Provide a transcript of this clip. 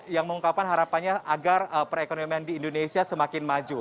yang mengungkapkan harapannya agar perekonomian di indonesia semakin maju